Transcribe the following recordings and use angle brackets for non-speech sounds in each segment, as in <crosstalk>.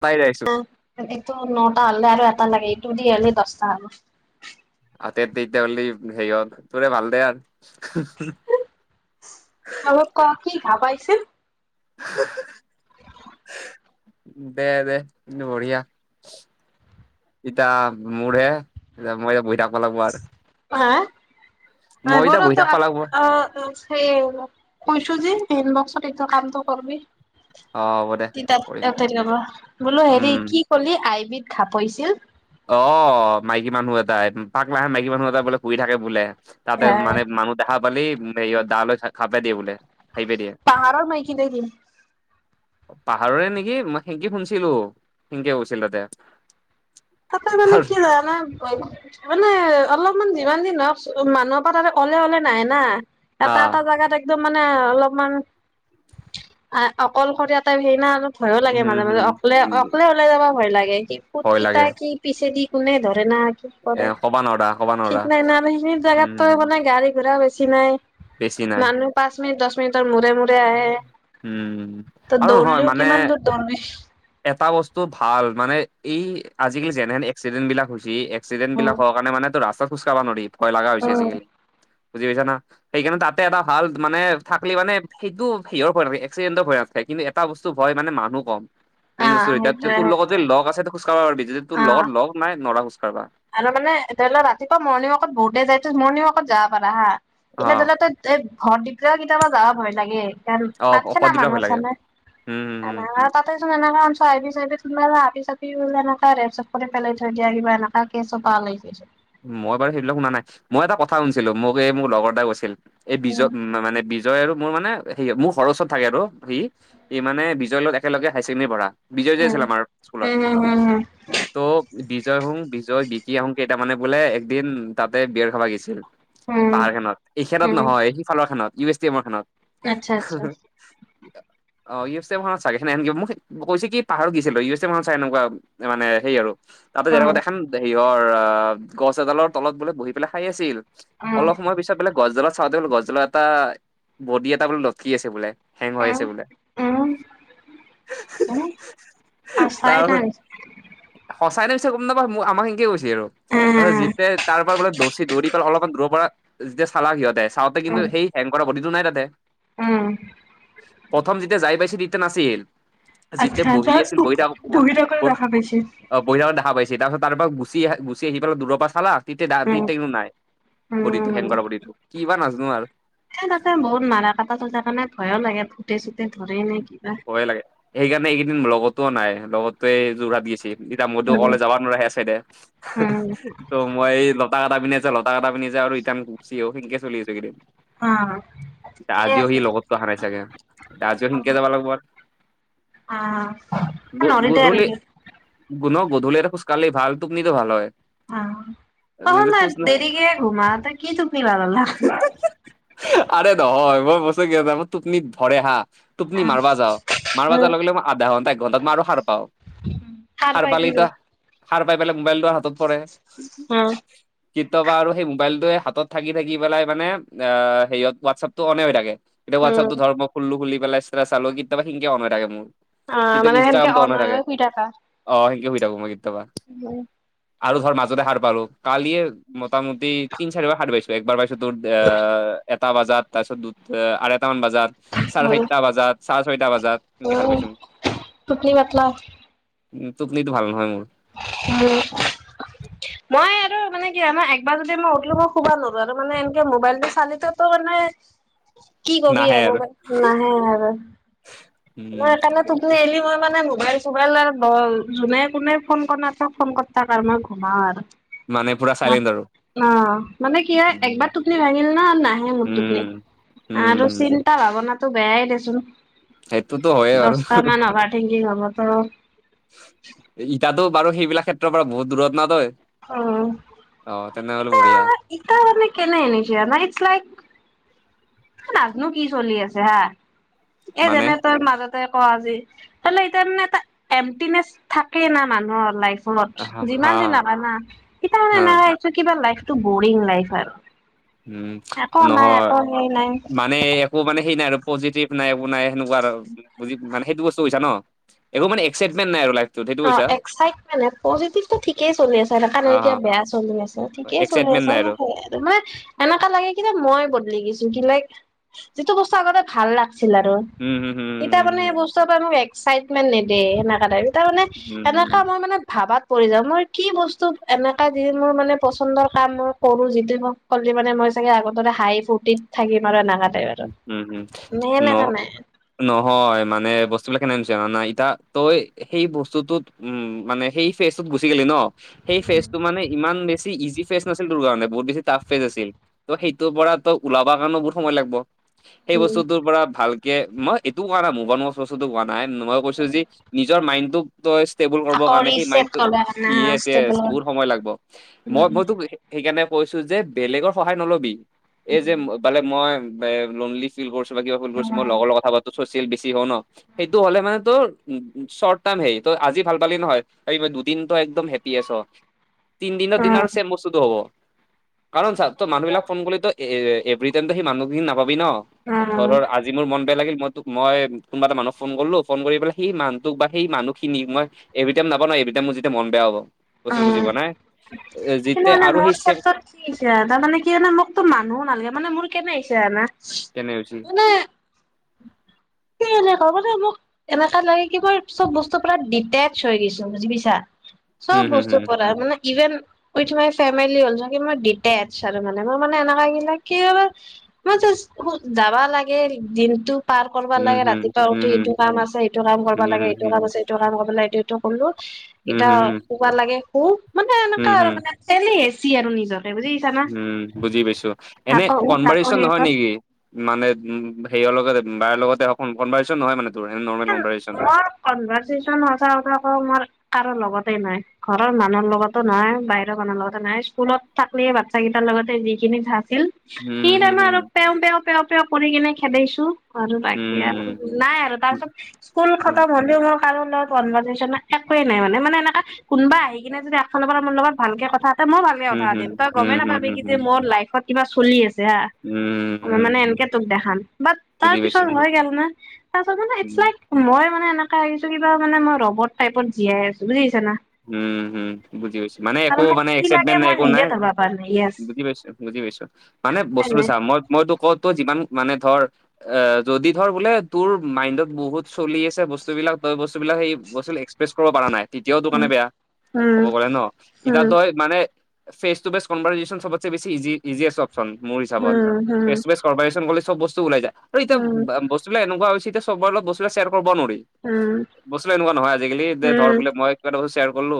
পাই <unintelligible> এইটো নটা হ'লে আৰু এটা লাগে, ইটো দি হ'লে দহটা আৰু। অ', তে-তেতিয়া হলে হেৰি হল তোৰে ভাল দে আৰু। <unintelligible> <unintelligible> দে দে, বঢ়িয়া। এতিয়া মোৰহে, এ, মই এতিয়া বহি থাকিব লাগিব আৰু। হা? আহিব ৰহ তোৰ থাকবা লাগব <unintelligible> সেই, কৈছো যে পিন বক্সত এটো কামটো কৰিবি অ হ'ব দে কৰিম দে <unintelligible> বোলো হেৰি উম কি কলি আইিবি খাপৰিছিল অ, মাইকী মানুহ এটাই, পাক লাহে মাইকী মানুহ এটা বোলে শুই থাকে বোলে। তাতে মানে মানুহ দেখা পালেই ডা লৈ ঘা-ঘাপ মাৰি দিয়ে বোলে। খাইপে দিয়ে পাহাৰৰ মাইকি নে কি? পাহাৰৰে নেকি, মই, সেনকে শুনিছিলো, সেনকে কৈছিল, তাতে। তাতে, মানে, তাৰ কি জানে, মানে, অলপ মান, যিমান, <unintelligible> মানুহৰ পৰা, ত, অলে, অলে নাই, না, অ এটা, এটা জাগাত মানে, অলপমান, অকলশৰীয়া টাইপ, হেৰি, ন? ভয়ো লাগে, উম মাজে মাজে, হম অকলে-অকলে ওলাই যাবা, ভয় লাগে, স ফুট ভয় কেইটা, লাগে কি, পিছে দি, কোনে ধৰে <unintelligible> কি এ কৰে, কবা নৰা কবা নৰা ঠিক নাই, না, সেইখিনি উম জেগাতো, মানে, গাড়ী-ঘোঁৰা বেছি নাই। বেছি নাই মানুহ পাঁচ, মিনিট দশ মিনিটৰ, <unintelligible> মুৰে-মুৰে আহে, উম আৰু নহয় দৌৰলেও, মানে কিমান দূৰ দৌৰবি? এটা বস্তু ভাল, মানে, এই, আজিকালি, যেনেহেন এক্সিডেন্ট বিলাক হৈছে এক্সিডেণ্ট অ বিলাক হোৱাৰ কাৰণেটো, ৰাস্তাত খোজকাঢ়বা নোৱাৰি, ভয় লগা হৈছে, আজিকালি। বুজি পাইছা, না? সেইকাৰণে, তাতে, এটা ভাল, মানে, থাকলি, মানে, সেইটো, সেয়াৰ <unintelligible> এক্সিডেণ্টৰ ভ কিন্তু, এটা বস্তু, ভয়, মানে, মানুহ কম, মেইন বস্তু। এতিয়া, সেইটোয়ে তোৰ লগত, যে সেইটোয়ে লগ আছে, <unintelligible> যদি, তোৰ অ লগত, লগ নাই, নৰা, খোজ কাঢ়বা। আৰু, মানে, ধৰি লওক, ৰাতিপুৱা, মৰ্ণিং ৱাকত, বহুতেই যায়, মৰ্ণিং ৱাকত যাব পাৰা, হাঁ। অ <unintelligible> তই ভৰ <unintelligible> কেতিয়াবা যাব ভয় লাগে। অ অকদিপৰা ভয় লাগে উম উম উম <unintelligible> তাতেই চোন এনে <unintelligible> মই, বাৰু, সেইবিলাক শুনা নাই। মই, এটা কথা শুনিছিলোঁ, মোক, এই, মোৰ লগৰ এটায়ে কৈছিল। এই উম <unintelligible> বিজয় আৰু মোৰ, মানে, সি মোৰ ঘৰ ওচৰত থাকে। আৰু সি, সি, মানে, বিজয়, লগত একেলগে হায়াৰ ছেকেণ্ডেৰী পঢ়া। বিজয় যে উম আছিল, আমাৰ স্কুলত, উম ত' বিজয়, হুং, বিজয়, বিকি, আহু, কেই তাৰ মানে, বোলে, একদিন, তাতে, বিয়াৰ খাবা গেইছিল। উম উম পাহাৰ খানত, এইখেনত উম উম নহয়, সিফালৰ খানত, ইউ এছ টিমাৰ খানত। আচ্ছা, আচ্ছা। অ', ইউ এছ এ মানত চা <unintelligible> মোক কৈছে, কি, পাহাৰত গৈছিলোঁ, ইউ এছ এ মানত চাই, এনেকুৱা মানে, সেই আৰু। তাৰ পাছত, উম এনেকুৱা দেখখন, হেৰিয়ৰ আহ, গছ এডালৰ তলত, বোলে, বহি পেলাই, খাই আছিল। উম অলপ সময় পিছত, বোলে, গছডালত চাওঁতে, বোলে, গছডালত এটা বডি এটা লটকি আছে, বোলে। হেং হৈ আছে, বোলে। উ, আচাই নাই। তই গম নাপাৱ, আমাক হেনকে কৈছে, আৰু। তাৰচত উম যেতিয়া তাৰ পৰা বোলে, দচি দৌৰি পেলাই অলপমান দূৰৰ পৰা যেতিয়া চালা সিহঁতে। চাওঁতে কিন্তু উম সেই হেং কৰা বডিটো নাই তাতে। উম প্ৰথম যেতিয়া যাই পাইছে নাছিল, যেতিয়া আচ্ছা বহি যার আছিল বহি থাক, <unintelligible> বহি থাকোতে দেখা পাইছে অ', বহি থাকাত দেখা পাইছি তাৰ পাছত, তাৰপৰা গুচি আহি, গুচি আহি পেলাই, দূৰৰ পৰা চালা, উম তেতিয়া <unintelligible> নাই। বডিটো, হেং উম কৰা বডিটো, কি বা নাজনো আৰু। এ, তাতে বহুত মাৰা কাটা হয়যে, সেইকাৰণে ভয়ো লাগে। চুতে ধৰে নে কিবা ভয়ে লাগে, সেইকাৰণে এইকেইদিন লগতোও নাই। লগতোৱে যোৰহাট গেইছে। এতিয়া মইতো উম অকলে যাবা নোৱাৰো সে চাইডে, উম ত' মই অ <unintelligible> ঠিকে আজিও সি আছে লগততো আহা নাই চাগে। আজিও সি অ <unintelligible> অ', নৰিদে আৰু সি। গুনু, গধূলিৰ খোছ কাৰলে ভাল, টোপনিটো ভাল হয়। আ, তহঁত যদি না খোজ দেৰিকে ঘুমা, ত কি টোপনি ভাল হ'ল না। আৰে দ <unintelligible> টুপনি ধৰে হাঁ। টোপনি মাৰবা যাওঁ, মাৰবা যোৱাৰ লগেলগে মই আধা ঘণ্টা, এক ঘণ্টাত মাৰো সাৰ পাওঁ। সাৰ পাই কি কৰ? সাৰপাই পেলাই, মোবাইলটো হাতত পৰে। কেতিয়াবা আৰু সেই মোবাইলটোৱে হাতত থাকি থাকি পেলাই মানে অ', হোৱাটছএপটো অনে হৈ থাকে। এতিয়া হোৱাটছআপটো ধৰ মই খুলিলো খুলি পেলাই ষ্টেটাছ চালো কেতিয়াবা সেইখিনিকেই অন হৈ থাকে মোৰ। কেতিয়া মানে সেনকে ইনষ্টাগ্ৰামটো অন হৈ অনয় থাকে, অ', সেনকে শুই থাকো মই কেতিয়াবা উ। আৰু ধৰ মাজতে সাৰ পালো, কালিয়ে মোটামুটি তিন চাৰিবাৰ সাৰ পাইছো, একবাৰ পাইছ তোৰ এ, এটা বজাত, তাৰপিছত দুত আঢ়ৈটা মান বজাত, চাৰে চাইত বজাত, চাৰে ছয়টা বজাত, এনকে সাৰ উম পাইছোঁ। টোপনি পাতলা উ, টুপনিতো ভাল নহয় মোৰ। ম, মই আৰু মানে কি হয়, মই একবাৰ যদি মই উঠলো, শুবা নৰো আৰু মানে এনকে মোবাইলটো চালেতো মানে কি কবি আৰু মানে, নাহে আৰু, মই উম সেইকাৰণে টোপনি আইলে মই মানে মোবাইল চোবাইল আৰু য যোনে তোনে ফোন কৰ নথাক, ফোন কৰ থাক আৰু মই ঘোমা আৰু। মানে ফুট অ', মানে কি হয়, উম একবাৰ টোপনি ভাঙিল ন নাহে মোৰ টোপনি। উম, আৰু উম। চিন্তা ভাৱনাটো বেয়াই দেচোন। সেইটোতো হয়ে বাৰু দছটা মান অভাৰ থিংকিং হ'ব তৰ। ইতাতো বাৰু সেইবিলাক ক্ষেত্ৰৰ পৰা বহুত দূৰত ন তই। অ', অ'। তেনেহ'লে ইতা, বঢ়িয়া ইতা মানে কেনে এনেকিয়া, নাইট শ্লাইট। নাজনো কি চলি আছে হা, এই মানে যেনে তই মাজত কোৱা যি, <unintelligible> এটা <unintelligible> এমটিনেচ থাকে না মানুহৰ লাইফ হা <unintelligible> হা যিমান যে নাজানা কিবা হা নাই কিবা লাইফটো বৰিং লাইফ আৰু। উ, একো নাই নহয়, একো সেই নাই মানে একো মানে সেইনাই আৰু। পজিটিভ নাই, একো নাই, সেনেকোৱা আৰু তুমি মানে সেইটো বস্তু বুজিছা ন? একো মানে এক্চাইটমেন্ট নাই আৰু লাইফ অ', এক্চাইটমেন্ট, পজিটিভটো ঠিকেই চলি আছে, দেখা নাইকিয়া অ', বেয়া চলি আছে, ঠিকেই চলি এক্সাইটমেণ্ট আছে। নাই আৰু <unintelligible> এনেকা লাগে কিনে মই বদলি গেছো। দু লাইক, যিটো বস্তু আগতে ভাল লাগ চিলা দ, উম, হম, হম, এতিয়া হম, মানে হম, বস্তু পৰা মোক এক্চাইটমেন্ট নেদে, সেনেকা টাইপ। তাৰমানে, হম, হম, এনেকা মই মানে ভাবাত মই কি বস্তু এনেকা যি মোৰ মানে পচন্দৰ কাম মই কৰো যিটো মোক মানে মই চাগে আগৰ দৰে হাঁহি ফূৰ্তিত থাকিম আৰু এনেকা টাইপ আৰু উম হম মানে ন সেনেকা নাই নহয় মানে বস্তুবিলাক নাই ইটা তই সেই বস্তুটোত উ মানে সেই ফেজত গুচি গেলি ন সেই ফেচ টো মান ইমান বেছি ইজি ফেচ নাছিল তোৰ কাৰণ, বহুত বেছ টাফ ফেচ আছিল ত' সেইটোৰ পৰা ত ওলা হবা কাৰনে বহুত সময় লাগব সেই উম বস্তুৰ পৰা ভালকে মই ইটো কোৱা নাই মোভ অন বস্তুটো নাই মই কৈছো যে নিজৰ মাইণ্ডত ষ্টেবল কৰিবৰ আকৌ কাৰণে সেই ৰিচেট মাইণ্ডটো কৰা না ইয়েচ ইয়েচ ষ্টেবল বহুত সময় লাগবো মোৰ মই মইতো সেইকাৰণে কৈছো যে বেলেগৰ সহায় নলবি এই যে উম ব মই লনলি ফিল কৰিছো কিবা কৰিছে মই লগ কথা পাতো বেছি হল ন সেইটো হ'লে মানে ত উ চৰ্ট টাইম হে ত আজি ভাল পালি নহয় দুদিন তো একদম হেপি আছ তিনদিনৰ উম, দিনা আৰু চেম বস্তুটো হব। কাৰণ চা ত' মানুবিলাক ফোন কৰিলে এভ্ৰি টাইমো সেই মানুহখিনি নাই পাবি ন উম, ধৰৰ আজি মোৰ মন বেয়া লাগিল মই তোক মই কোনবা এটা মানুহক ফোনলো ফোন কৰি পেলাই সেই মানুটোক বা সেই মানুহ খিনি মই এভি টাইম নাপাও এভি টাইম মোৰ যেতিয়া মন বেয়া হব বস্তু বুজি পা নাই <unintelligible> কিন্তু যেতিয়া মানে আৰু মোৰ সেই চেম ক্ষেত্ৰত কি হৈছে মানে কি হয়ানে মোকতো মানুহো নালাগে মানে মোৰ কেনে হৈছো জানা না কেনে হৈছি। এনেকুৱা মানে মোক এনেকা লাগে কি ব চব বস্তু পৰা ডিটেচ হৈ গৈছো বুজি পিছা চব উম হুম বস্তু হুম পৰা মানে even with my family also কি মই ডিটেচ আৰু মানে মই মানে কিয় বা মটো যাবা লাগে দিনটো পাৰ কৰাব উম লাগে হুম ৰাতিপুৱা উঠি সিটো কাম আছে সেইটো কাম কৰাব উম লাগে সেইটো হুম কাম আছে এইটো কাম কৰাব লাগে এইটো সটো কৰলো উম হুম হুম উম এতিয়া হুম হুম শুুৱা লাগে শু মানে এনেকা উম আৰু হুম মানে তেলি হেচি আৰু নিজৰ উম বুজি পাইছোঁ, থাক এনে উ থাক কনভাৰচন সেই নহয় কৰ নেকি মানে উম সেয়ৰ লগত বাৰ লগতে হক কনভাৰচন নহয় মানে তোৰ নৰ্মেল কনভাৰেচন মোৰ কনভাৰচনচেন সঁচা কথা ক মোৰ কাৰো লগতে নাই ঘৰৰ মানুহৰ লগতো নহয় বাহিৰৰ মানুহৰ লগতে নাই স্কুলত থাকিলি এই বাচ্ছা কেইটা লগত লগতে যিখিনি ভাছিল উম সেইখিনি হুম টাইমতে আৰু হুম পেও পেও পেও পেও কৰি কিনে খেদেউছো আৰু বাকি আৰু হুম নাই আৰু তাৰপিছত স্কুল উম খতম হ'লেও মই কাৰো লগত কনভাৰচেন নাই মানে মানে এনেককা কোনোবা আহি কিনে যদি‌একফালৰ পৰা মোৰ লগত ভালকে কথা ত মই ভালকে উম, কথা হুম, পাতিম তই গমে হুম, হুম, নাপাবি হুম, কি যে হুম, মোৰ লাইফত কিবা চলি আছে মানে উম, এনেকে তোক দেখাম বাট তাৰ বুজি পিছত পাইছো। হৈ গল না তাৰ পাছত মে ইটচ উম, লাইক মই মানে এনেককা আহিছো কিবা মান মই ৰবট টাইপত জীয়াই আছো বুজিছ উম হম বুজি পাইছো মানে আৰু একো মোক মানে কি লাগে এক্সাইটমেণ্ট নাই মই একো নিজে নাই ধৰবা পৰা নাই য়েছ বুজি পাইছোঁ, বুজি পাইছোঁ মানে হয় বস্তুতটো নাই চা মই মইতো ক'ত ত' যিমান মানে ধৰ অ', যদি ধৰ বোলে তোৰ মাইণ্ডত বহুত চলি আছে বস্তুবিলাক বস্তুবিলাক সেই বস্তু একস্ৰেছ কৰিব পৰা নাই তেতিয়া মানে বেয়া উম ক'ব গ'লে ন ইটা ত উম ই মানে ফেচ টুে ফেচ কভাৰচেন চবতছে বেছি ইজি অপচন মোৰ হিচাপত উম উম ফেচ টু ফেচ কভাৰচেন কৰিলি চব বস্তু ওলায় যায় এতিয়া উম বস্ত এনেকুৱা হৈছে চবৰে লগত শ্বেয়াৰ কৰিব নোৱাৰি উম বস্ত গিলা এনেকুৱা নহয় আজিকালি যে উম ধৰ বোলে মই কিবা শ্বেয়াৰ কৰিলো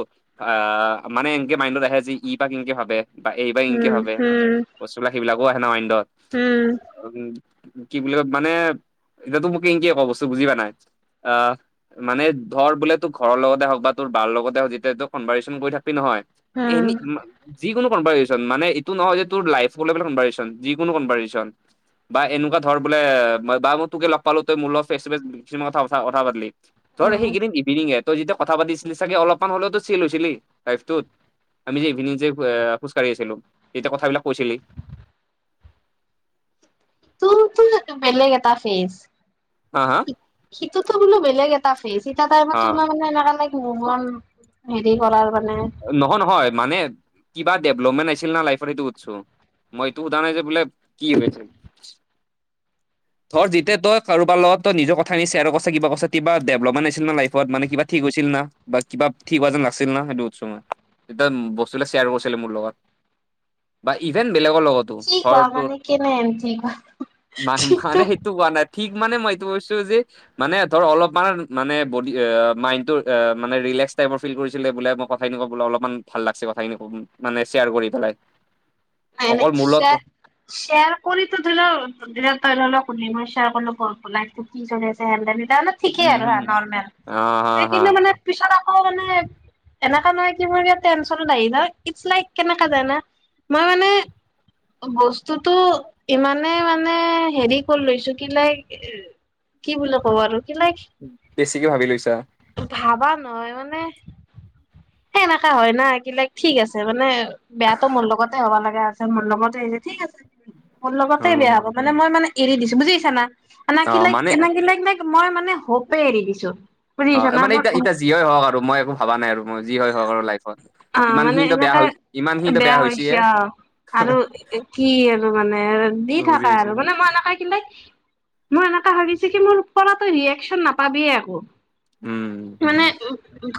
মানে এনকে মাইণ্ডত আহে যে ই বাক কেনকে ভাবে বা এই বা এনকে উম ভাবে উম বস্তুবিলাক এইবিলাকো আহে ন মাইণ্ডত উম উ কি বুলি কয় মানে এতিয়াতো মোক কেনকে কয় ক বস্তু বুজি পা নাই আহ মানে ধৰ বোলে তোৰ ঘৰৰ লগতে হওক বা বা ৰ লগত নহয় যিতিয়া ত ই কনভাৰচেন কৰি থাকিবি নহয় এনি উম যিকোনো মান এইটো নহয় যে তোৰ লাইফৰ কনভাৰচেচন যিকোনো কনভাৰচেন বা এনেকুৱা ধৰ বোলে বা মই তোকে লগ পালো তই মলৰ লগত ফেচ টু ফেচ কি কথা কথা পাতিলি ধৰ সেইকেইদিন ইভিনিঙে তই যেতিয়া কথা পাতিছিলি চাগে অলপমান হলেওতো চেল হৈছিলি লাইফটোত। আমি যে ইভিনিং যে খোজকাঢ়ি আছিলোঁ যেতিয়া কথাবিলাক কৈছিলি। তোৰ তোৰ বেলেগ এটা ফেজ। হা, হা? সিটোতো বোলো বেলেগ এটা ফেচ এতা হা টাইমতো মানে এনেকা নাই ইমান হেৰি কৰাৰ মানে নহয় নহয় মানে কিবা ডেভলপমেন্ট আছিল না লাইফত সেইটো সুধছোঁ। মইটো সোধা নাইযে বোলে কি হৈ আছে? ধৰ যেতিয়া তই কাৰোবাৰ লগত তই নিজৰ কথাখিনি শ্বেয়াৰ কৰ্চ কিবা কৰ্চ কিবা ডভলপমেট আছিল ন' লাইফত মানে কিবা ঠিক হৈছিল। বা কিবা ঠিক হোৱা যেন লাগিছিল না সেইটো। চো মই। তেতিয়া বস্তুবিলাক শ্বেয়াৰ কৰিছিলি মোৰ লগত। বা ইভেন বেলেগৰ লগতো, কি কোৱা ঘৰটোৰ মানে কেনে ঠিক ঠিকটো মানে সেইটো কোৱা নাই ঠিক মানে মই এইটো কৈছোঁ যে মানে ধৰ অলপমান মানে বড মাইনডৰ মানে বেলেছ টাইপৰ ফিল কৰিছিলে বোলে ম কথাখিনি ক বোলে অলপমান ভাল লাগছে কথাখিনি ক মানে শ্বেয়াৰ কৰি পেলাই। নাই নাই অকল মোৰ য়াৰ লগত শেয়াৰ কৰি তো ধৰি লও ধৰি ল' তই ধৰ সুধি <unintelligible> লাইফত কি চলি আছে সিহঁতেহে জানে। জানে ঠিকেই উম আৰু হা, হম নৰ্মেল। অ হা এ, হা কিন্তু মানে পিছত আকৌ মানে এনেকা নহয় কি মোৰ য়াত টেনচন নাই ন' ইটছ লাইক কেনেকা জাইনা। মই মানে বস্তুটো ইমানেই মানে হেৰি কৰি লৈছোঁ কি, লাইক কি বুলি ক'ব আৰু। কি লাগ কিকি ভাবি লৈছা? ভাবা নহয় মানে, সেনেকা হয় না কিলাক ঠিক আছে মানে বেয়াটো মোৰ লগতে হ'ব লগা আছে, মোৰ লগতে ঠিক আছে, মোৰ লগতে উম বেয়া হ'ব মানে মই মানে এৰি দিছোঁ। বুজিছা না অ নাকি লাইক মানে এনে কি লাইক লাইক মই মানে হপে এৰি দিছোঁ। অ' মানে এতিয়া এতিয়া যিয়েই হওক আৰু। মই একো ভাবা নাই আৰু। যি হয় হওক আৰু লাইফত। অ মানে ইমানখিনিতো বেয়া এনেকে ইমানখিনিতো বেয়া হৈছেই। হৈছে অ আৰু কি আৰু মানে দি বুজি থাকা আৰু পাইছা মানে মই এনেকে কিন্তে মই এনেকা ভাবিছোঁ কি মোৰপৰাতো ৰিয়েকচনে নাপাবিয়ে আকৌ। উম মানে উ,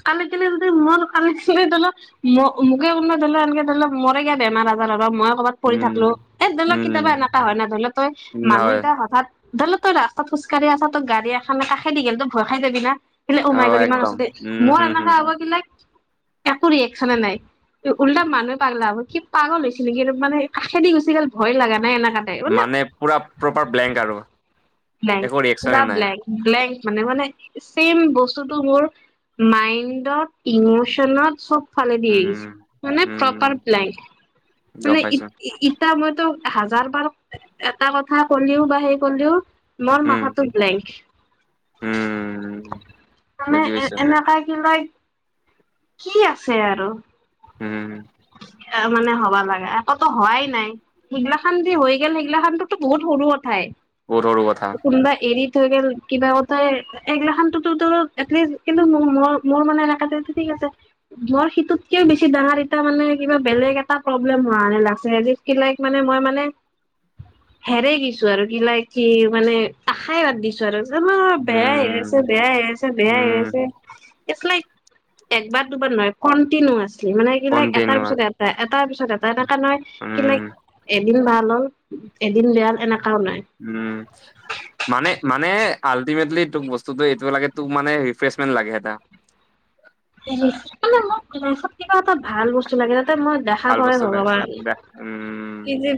কালি কিনিৰ মোৰ কালেক্স ধৰি ল ম-মোকে কোবাই ধৰিলেও এনেকে ধৰি লও মৰে কিবা বেমাৰ আজাৰ হ'ব মই ক'ৰবাত পৰি উম থাকিলোঁ। এই ধৰি ল'ক উম কেতিয়াবা এনেকা হয় না ধৰি লও তই উম মানুহ হয় এতিয়া হঠাৎ ধৰি ল' তই ৰাস্তাত খোজকাঢ়ি আছা ত' গাড়ী এখেনে কাষেদি গ'ল ত' ভয় খাই যাবি না। কিলা অ উমাই কৰি ইমান একদম ওচৰতে। উম মই হম মানে হম আগৰকিলাক একো ৰিয়কচনে নাই। উল্টা মানুহে পাগলা হ'ব, কি পাগল হৈছে নেকি মানে কাষেদি গুচি গ'ল ভয় লাগা নাই এনে মানে পুৰা প্ৰপাৰ ব্লেংক আৰু। ব্লেং। একো পোৰা ৰিয়েকচনে নাই ব্লেংক, ব্লেংক। মানে মানে চেইম বস্তুটো মোৰ মাইণ্ডত, ইমচনত চব ফালি দিয়ে গিছে, উম মানে উম প্ৰপাৰ ব্লেংক। গম মানে পাইছো এতিয়া মইতো হাজাৰ বাৰ এটা কথা কলিও বা সেই কলেওঁ মোৰ উম মাথাটো ব্লেং। উম মানে বুজি এ, পাইছো এনেকা কি লয় কি আছে আৰু। হুম। এ, মানে হবা লাগা, আকতো হোৱাই নাই। সেইগিলাখন যে হৈ গ'ল, সেইগিলাখানটোতো বহুত সৰু কথাই। বহুত সৰু কথা কোনোবা এৰি থৈ গেল কিবা কথাই এইগিলাখানোতুটো এটলিষ্ট কিন্তুো মোৰ মোৰ মানে এলেকাতে ঠিক আছে। ধৰ সিইটোতকেও বেছি ডাঙৰ এতিয়া মানে কিবা বেলেগ এটা প্ৰব্লেম হোৱাে লাগছে। কিলাইক মানে, মই মানে হেৰেই গৈছো আৰু <unintelligible> কি মানে আশাই বাদ দিছো আৰু। উম উম <unintelligible> একবাৰ দুবাৰ নহয়, কণ্টিনিউআছ। মানে কি <unintelligible> এটাৰ কণ্টিনিউৱা পিছত এটা, এটাৰ পিছত এটা এনেকা নহয় কি লাইক উম এ এদিন ভাল হ'ল এদিন বেয়া এনেকা উম, মানে, মান, আল্টিমেটলি তোক বস্তুটো এইটোৱে লাগে তোক মানে ৰিফ্ৰেচমেণ্ট লাগে এটা। <unintelligible> মানে মোক কিবা এটা, কিবা এটা ভাল বস্তু লাগে <unintelligible> মই দেখা ভাল পাওঁৱে বস্তু লাগে ভগৱান, উম কি যে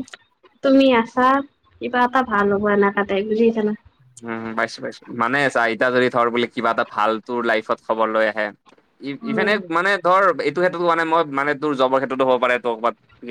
তুমি আছা, কিবা এটা ভাল হ'ব এনেকুৱাতোই, বুজিছানা? উম, পাইছোঁ পাইছোঁ, মানে চা এতিয়া যদি ধৰ বুলি কিবা এটা ভাল তোৰ লাইফত খবৰ লৈ আহে ই-ইফেনে উম মানে ধৰ এইটো ক্ষেত্ৰতো হোৱা নাই মই মানে তোৰ জবৰ ক্ষেত্ৰতো হ'ব পাৰে ত' কৰবাত